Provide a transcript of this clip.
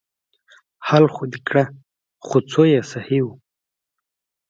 حل خو دې کړه خو څو يې صيي وه.